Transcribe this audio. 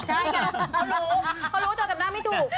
ใช่เขารู้เขารู้ว่าเจอกับหน้าไม่ถูก